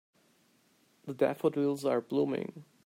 The daffodils are blooming.